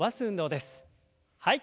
はい。